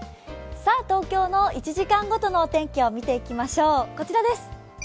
東京の１時間ごとのお天気を見ていきましょう、こちらです。